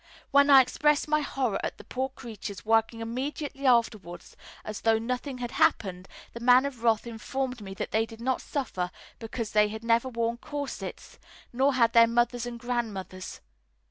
When I expressed my horror at the poor creatures working immediately afterwards as though nothing had happened, the Man of Wrath informed me that they did not suffer because they had never worn corsets, nor had their mothers and grandmothers.